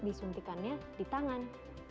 disuntikannya di tangan